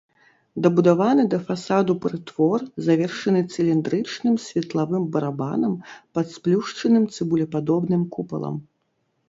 Дабудаваны да фасаду прытвор завершаны цыліндрычным светлавым барабанам пад сплюшчаным цыбулепадобным купалам.